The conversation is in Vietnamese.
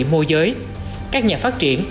mua giới các nhà phát triển